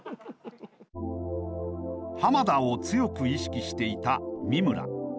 浜田を強く意識していた三村。